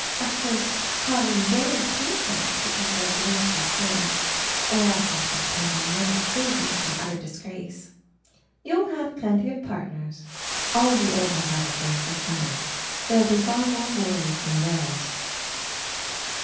Of course Carl and Jerry can't dance because they're the minister's sons, or else I could depend on them to save me from utter disgrace." "You'll have plenty of partners all the over harbour boys are coming there'll be far more boys than girls."